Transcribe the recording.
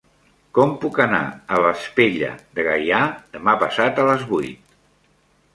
Com puc anar a Vespella de Gaià demà passat a les vuit?